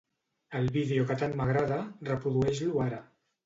El vídeo que tant m'agrada, reprodueix-lo ara.